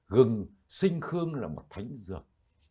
gừng sinh khương là một thánh dược